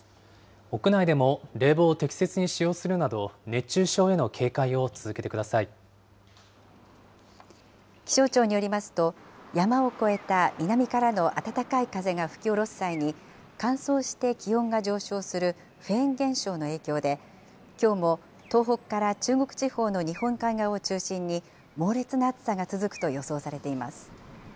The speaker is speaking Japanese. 屋内でも冷房を適切に使用するなど、熱中症への警戒を続けて気象庁によりますと、山を越えた南からの暖かい風が吹き下ろす際に、乾燥して気温が上昇するフェーン現象の影響で、きょうも東北から中国地方の日本海側を中心に、猛烈な暑さが続くと予想されています。